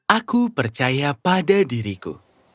aku percaya pada diriku